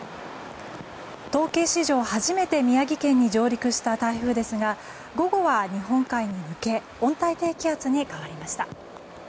統計史上初めて宮城県に上陸した台風ですが午後は日本海に向け温帯低気圧に変わりました。